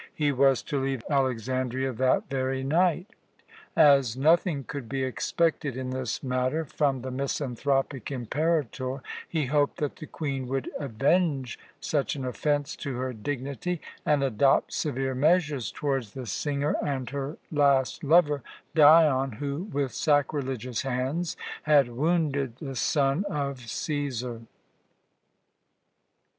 He was to leave Alexandria that very night. As nothing could be expected in this matter from the misanthropic Imperator, he hoped that the Queen would avenge such an offence to her dignity, and adopt severe measures towards the singer and her last lover, Dion, who with sacrilegious hands had wounded the son of Cæsar.